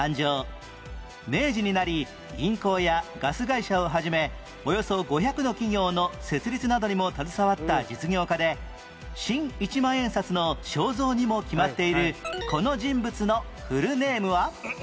明治になり銀行やガス会社を始めおよそ５００の企業の設立などにも携わった実業家で新１万円札の肖像にも決まっているこの人物のフルネームは？